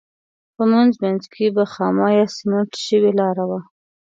په منځ منځ کې به خامه یا سمنټ شوې لاره وه.